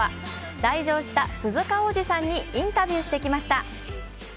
来場した鈴鹿央士さんにインタビューしてきました。